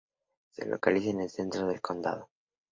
Se localiza en el centro del condado.